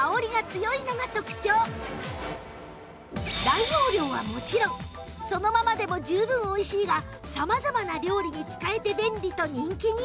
大容量はもちろんそのままでも十分美味しいが様々な料理に使えて便利と人気に